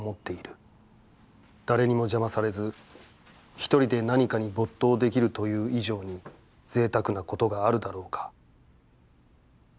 誰にも邪魔されず、ひとりで何かに没頭できるという以上に贅沢なことがあるだろうか」。